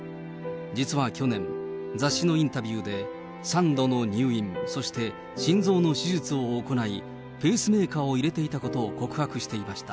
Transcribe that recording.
実は去年、雑誌のインタビューで、３度の入院、そして心臓の手術を行い、ペースメーカーを入れていたことを告白していました。